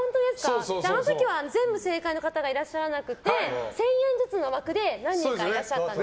あの時は全部正解の方がいらっしゃらなくて１０００円ずつの枠で何人かいらっしゃったんです。